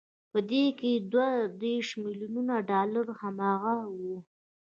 په دې کې دوه دېرش ميليونه ډالر هماغه وو.